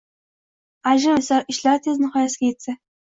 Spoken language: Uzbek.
Ajrim ishlari tez nihoyasiga etdi